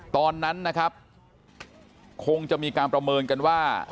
ตอนนั้นนะครับคงจะมีการประเมินกันว่า